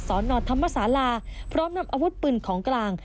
นธรรมศาลาพร้อมนำอาวุธปืนของกลาง